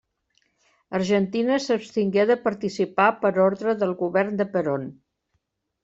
Argentina s'abstingué de participar per ordre del govern de Perón.